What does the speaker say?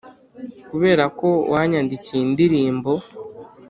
kuberako wanyandikiye indirimbo.